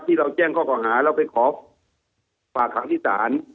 ที่เราแจ้งเขาขออาหารแล้วไปขอฝากทั้งที่ศาล